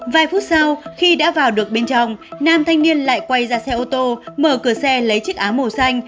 vài phút sau khi đã vào được bên trong nam thanh niên lại quay ra xe ô tô mở cửa xe lấy chiếc áo màu xanh